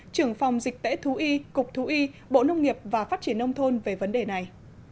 trưởng phòng dịch tễ thú y cục thú y bộ nông nghiệp và phát triển nông thôn về vấn đề này